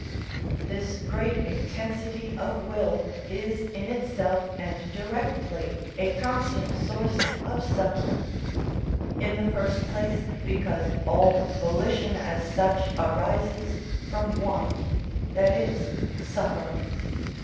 This great intensity of will is in itself and directly a constant source of suffering. In the first place, because all volition as such arises from want; that is, suffering.